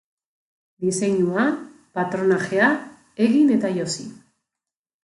Diseinua, patronajea egin eta josi.